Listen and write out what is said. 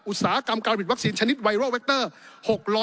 อุตสาหกรรมการผลิตวัคซีนชนิดไวรอลแวคเตอร์